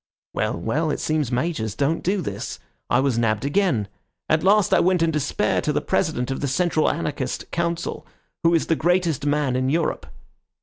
Well, well, it seems majors don't do this. I was nabbed again. At last I went in despair to the President of the Central Anarchist Council, who is the greatest man in Europe."